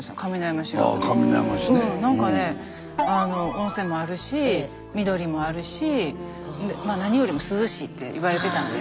温泉もあるし緑もあるし何よりも涼しいって言われてたので。